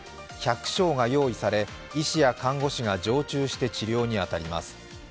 １００床が用意され、医師や看護師が常駐して治療に当たります。